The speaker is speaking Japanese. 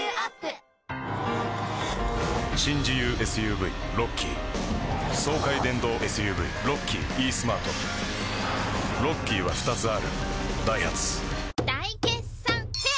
新自由ＳＵＶロッキー爽快電動ＳＵＶロッキーイースマートロッキーは２つあるダイハツ大決算フェア